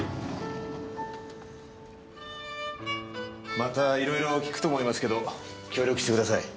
またいろいろ訊くと思いますけど協力してください。